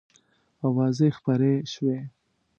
آوازې خپرې شوې.